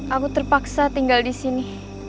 aku terpaksa tinggal disini